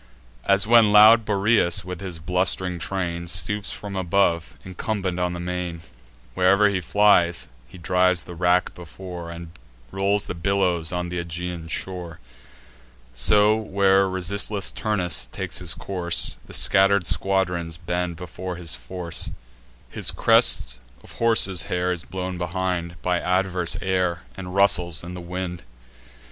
As when loud Boreas, with his blust'ring train, Stoops from above, incumbent on the main; Where'er he flies, he drives the rack before, And rolls the billows on th' Aegaean shore: So, where resistless Turnus takes his course, The scatter'd squadrons bend before his force; His crest of horses' hair is blown behind By adverse air, and rustles in the wind.